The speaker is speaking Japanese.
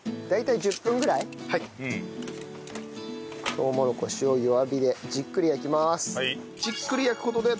とうもろこしを弱火でじっくり焼きます。